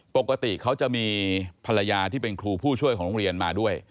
ปกติเขาจะมีภรรยาที่เป็นครูผู้ช่วยของโรงเรียนมาด้วย